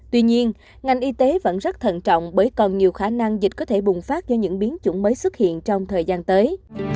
tuy nhiên ngành y tế vẫn rất thận trọng bởi còn nhiều khả năng dịch có thể bùng phát do những biến chủng mới xuất hiện trong thời gian tới